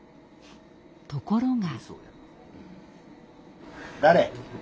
ところが。